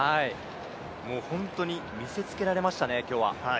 もうホントに見せつけられましたね、今日は。